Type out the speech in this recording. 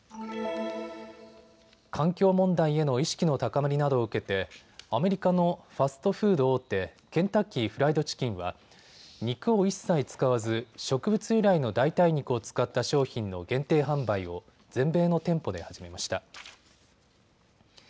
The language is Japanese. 環境問題への意識の高まりなどを受けてアメリカのファストフード大手、ケンタッキーフライドチキンは肉を一切使わず植物由来の代替肉を使った商品の限定販売を全米の店舗で始めました。